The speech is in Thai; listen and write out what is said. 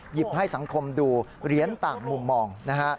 หยิบให้สังคมดูเหรียญต่างมุมมอง